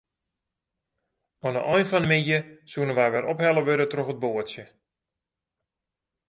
Oan 'e ein fan 'e middei soene wy wer ophelle wurde troch it boatsje.